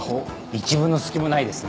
一分の隙もないですね。